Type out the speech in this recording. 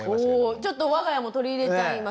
おちょっと我が家も取り入れちゃいます。